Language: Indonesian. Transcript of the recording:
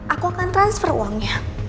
aku akan transfer uangnya